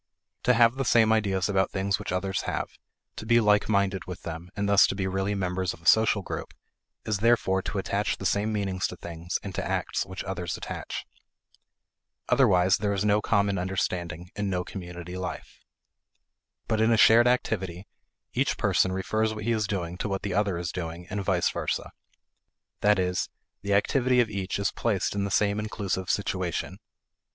To have the same ideas about things which others have, to be like minded with them, and thus to be really members of a social group, is therefore to attach the same meanings to things and to acts which others attach. Otherwise, there is no common understanding, and no community life. But in a shared activity, each person refers what he is doing to what the other is doing and vice versa. That is, the activity of each is placed in the same inclusive situation.